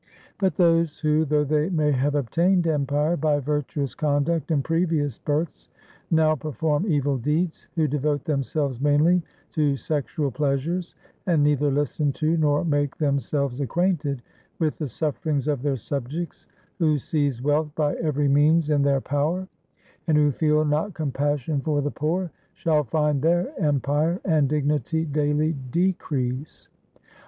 ' But those who, though they may have obtained empire by virtuous conduct in previous births, now perform evil deeds, who devote themselves mainly to sexual pleasures, and neither listen to nor make themselves acquainted with the sufferings of their subjects, who seize wealth by every means in their power, and who feel not compassion for the poor, shall find their empire and dignity daily decrease.